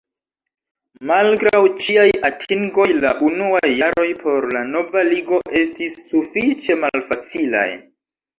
Malgraŭ ĉiaj atingoj la unuaj jaroj por la nova Ligo estis sufiĉe malfacilaj.